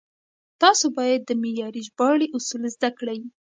تاسو بايد د معياري ژباړې اصول زده کړئ.